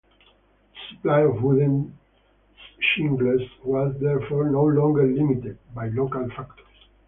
The supply of wooden shingles was therefore no longer limited by local factors.